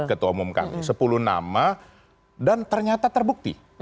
ketua umum kami sepuluh nama dan ternyata terbukti